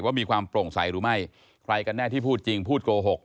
มีความโปร่งใสหรือไม่ใครกันแน่ที่พูดจริงพูดโกหก